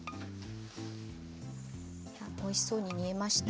おいしそうに煮えました。